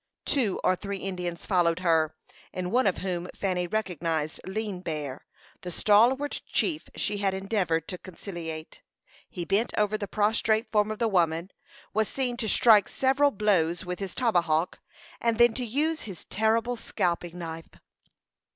Two or three Indians followed her, in one of whom Fanny recognized Lean Bear, the stalwart chief she had endeavored to conciliate. He bent over the prostrate form of the woman, was seen to strike several blows with his tomahawk, and then to use his terrible scalping knife.